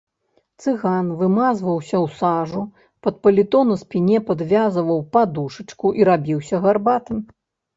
Цыган вымазваўся ў сажу, пад паліто на спіне падвязваў падушачку і рабіўся гарбатым.